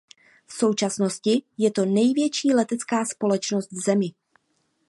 V současnosti je to největší letecká společnost v zemi.